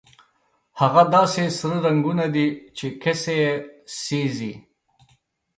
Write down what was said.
هغه داسې سره رنګونه دي چې کسي سېزي.